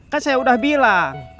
kan saya udah bilang